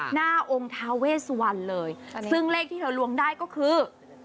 หน้าองค์ทาเวสวันเลยซึ่งเลขที่เธอลวงได้ก็คือ